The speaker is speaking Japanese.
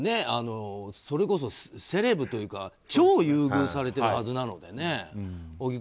それこそセレブとか超優遇されているはずなのでね。